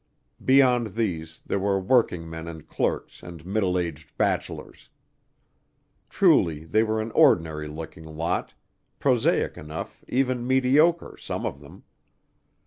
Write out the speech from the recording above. Beyond these, there were workingmen and clerks and middle aged bachelors. Truly they were an ordinary looking lot prosaic enough, even mediocre, some of them.